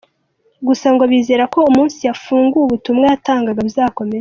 Gusa ngo bizera ko umunsi yafunguwe ubutumwa yatangaga buzakomeza.